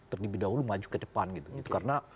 terlebih dahulu maju ke depan gitu karena